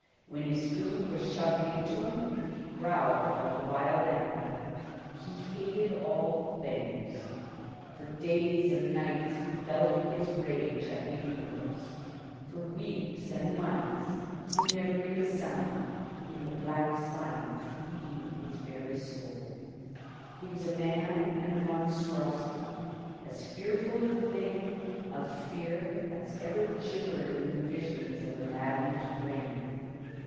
When his food was shoved in to him, he growled like a wild animal. He hated all things. For days and nights he bellowed his rage at the universe. For weeks and months he never made a sound, in the black silence eating his very soul. He was a man and a monstrosity, as fearful a thing of fear as ever gibbered in the visions of a maddened brain.